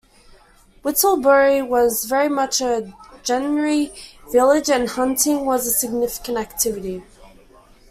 Whittlebury was very much a 'gentry village' and hunting was a significant activity.